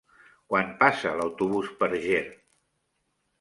Quan passa l'autobús per Ger?